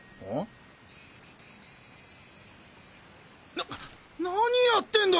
な何やってんだ！？